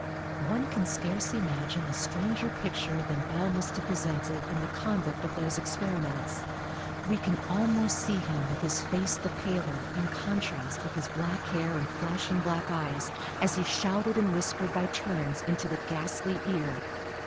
One can scarce imagine a stranger picture than Bell must have presented in the conduct of those experiments. We can almost see him with his face the paler in contrast with his black hair and flashing black eyes as he shouted and whispered by turns into the ghastly ear.